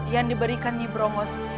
yang diberikan nyibromo